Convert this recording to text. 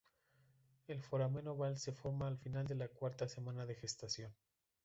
El foramen oval se forma al final de la cuarta semana de gestación.